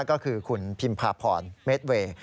ก็คือคุณพิมพาพรเมดเวย์